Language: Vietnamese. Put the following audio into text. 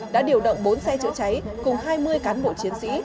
đã điều động bốn xe chữa cháy cùng hai mươi cán bộ chiến sĩ